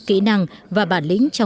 kỹ năng và bản lĩnh